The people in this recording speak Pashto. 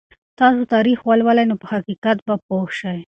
که تاسو تاریخ ولولئ نو په حقیقت به پوه شئ.